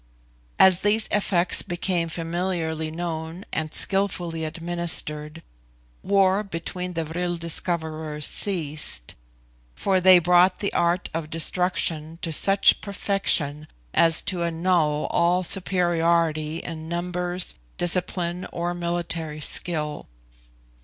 As these effects became familiarly known and skillfully administered, war between the vril discoverers ceased, for they brought the art of destruction to such perfection as to annul all superiority in numbers, discipline, or military skill.